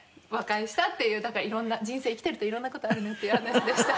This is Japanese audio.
だから色んな人生生きてると色んな事あるねっていう話でした。